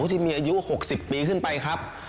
ที่มีอายุ๖๐ปีขึ้นไปครับ